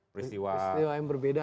peristiwa yang berbeda